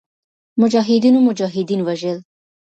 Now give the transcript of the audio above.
مجاهدینو مجاهدین وژل.